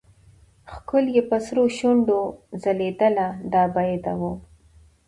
ښکل يې په سرو شونډو ځلېدله دا بېده وه.